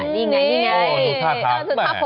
นี่ไงนี่ไง